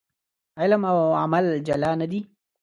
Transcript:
علم او عمل جلا نه دي.